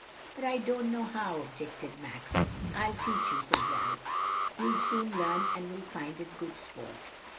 "But I don't know how," objected Max. "I'll teach you," said Ralph. "You'll soon learn and will find it good sport."